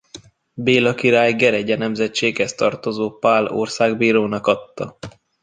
Béla király Geregye nemzetséghez tartozó Pál országbírónak adta.